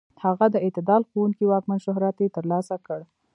هغه د اعتدال خوښونکي واکمن شهرت یې تر لاسه کړ.